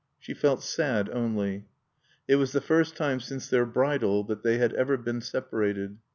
She felt sad only. It was the first time since their bridal that they had ever been separated.